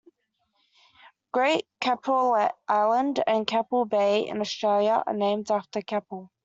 Great Keppel Island and Keppel Bay in Australia are named after Keppel.